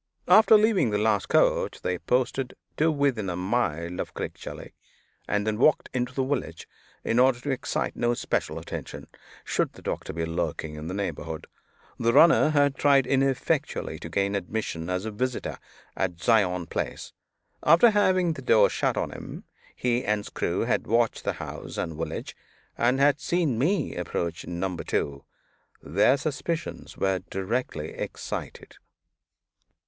After leaving the last coach, they posted to within a mile of Crickgelly, and then walked into the village, in order to excite no special attention, should the doctor be lurking in the neighborhood. The runner had tried ineffectually to gain admission as a visitor at Zion Place. After having the door shut on him, he and Screw had watched the house and village, and had seen me approach Number Two. Their suspicions were directly excited.